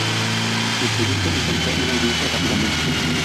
El proyecto encontró una audiencia rápidamente.